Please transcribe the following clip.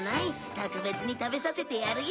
特別に食べさせてやるよ。